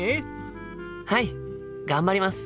はい頑張ります！